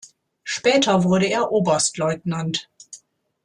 Später wurde er Oberstleutnant.